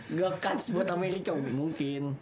enggak ada chance buat amerika mungkin